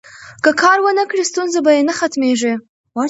که کار ونکړي، ستونزې به یې نه ختمیږي.